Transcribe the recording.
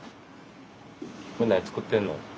これ何作ってんの？